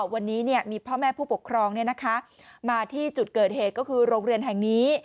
วันนี้มีพ่อแม่ผู้ปกครองมาที่จุดเกิดเหตุก็คือโรงเรียนแห่งนี้